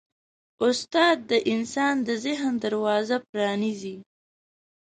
استاد د انسان د ذهن دروازه پرانیزي.